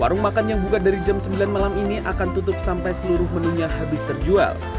warung makan yang buka dari jam sembilan malam ini akan tutup sampai seluruh menunya habis terjual